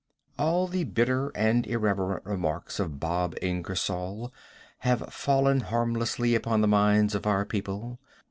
All the bitter and irreverent remarks of Bob Ingersoll have fallen harmlessly upon the minds of our people.